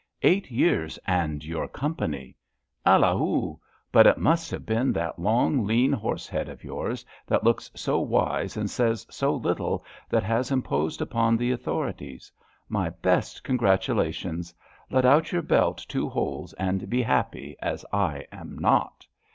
Eight years and yonr company I Allahul Bnt it must have been that long, lean horse head of yours that looks so wise and says so little that has imposed upon the authorities. My best congratulations. Let out your belt two holes, and be happy, as I am not.